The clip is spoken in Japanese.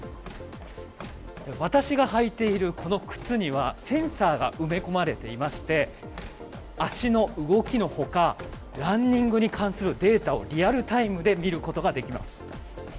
私が履いているこの靴にはセンサーが埋め込まれていまして足の動きの他ランニングに関するデータをリアルタイムで見ることができます。